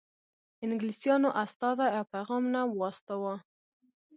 انګلیسیانو استازی او پیغام نه و استاوه.